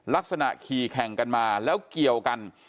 ลักษณะขี่แข่งกันมาแล้วเกี่ยวกัน